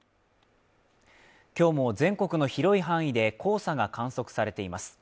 今日も全国の広い範囲で黄砂が観測されています。